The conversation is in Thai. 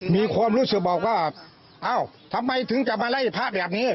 มีความรู้สึกบอกว่าเอ้าทำไมถึงจะมาไล่พระแบบนี้